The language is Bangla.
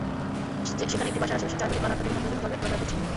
সেখানে একটি বাসার আশপাশে চার যুবক রাত আটটা থেকে সন্দেহজনকভাবে ঘোরাফেরা করছিলেন।